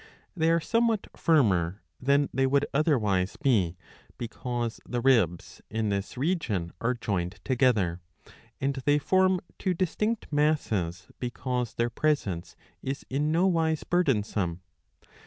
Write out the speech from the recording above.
They are somewhat firmer than they would otherwise be, because the. ribs ^' in this region are joined together ; and they form two distinct masses, because their presence is in no wise burdensome.